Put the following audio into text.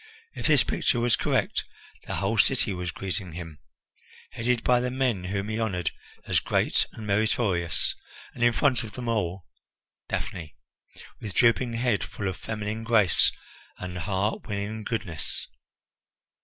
If this picture was correct, the whole city was greeting him, headed by the men whom he honoured as great and meritorious, and in front of them all Daphne, with drooping head, full of feminine grace and heart winning goodness.